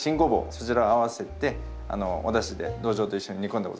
そちらを合わせておだしでどじょうと一緒に煮込んでございます。